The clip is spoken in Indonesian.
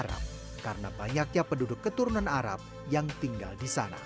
arab karena banyaknya penduduk keturunan arab yang tinggal di sana